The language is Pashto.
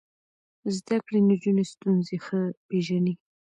زده کړې نجونې ستونزې ښه پېژني.